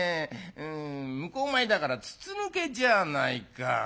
向こう前だから筒抜けじゃないか。